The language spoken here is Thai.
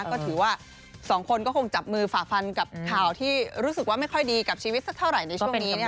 ก็ถือว่าสองคนก็คงจับมือฝ่าฟันกับข่าวที่รู้สึกว่าไม่ค่อยดีกับชีวิตสักเท่าไหร่ในช่วงนี้